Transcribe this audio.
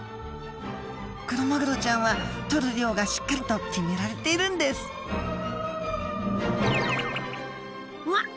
クロマグロちゃんはとる量がしっかりと決められているんですうわっ！